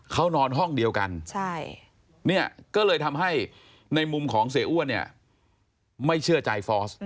เขานอนห้องเดียวกันเนี่ยก็เลยทำให้ในมุมของเสียอ้วนเนี่ยไม่เชื่อใจฟอส